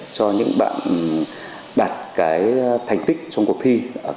cho những bạn đạt thành tích trong cuộc thi